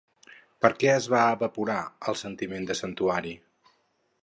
Per què es va evaporar el sentiment de santuari?